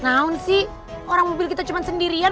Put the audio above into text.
down sih orang mobil kita cuma sendirian